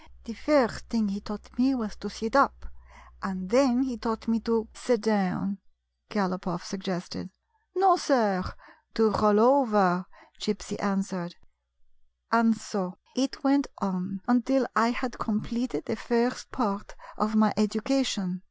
The first thing he taught me was to sit up, and then he taught me to —"" Sit down," GalopofF suggested. " No, sir, to roll over," Gypsy answered, "and so it went on until I had completed the first part of my education.